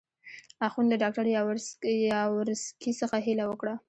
اخند له ډاکټر یاورسکي څخه هیله وکړه.